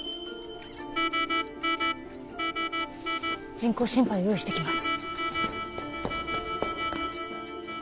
人工心肺を用意してきます